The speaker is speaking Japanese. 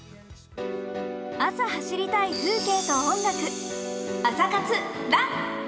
朝、走りたい風景と音楽